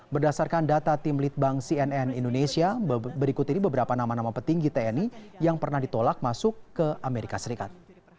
berdasarkan data tim litbang cnn indonesia berikut ini beberapa nama nama petinggi tni yang pernah ditolak masuk ke amerika serikat